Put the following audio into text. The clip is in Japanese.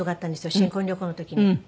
新婚旅行の時に。